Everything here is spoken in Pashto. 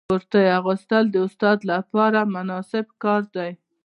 کرتۍ اغوستل د استاد لپاره مناسب کار دی.